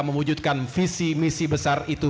mewujudkan visi misi besar itu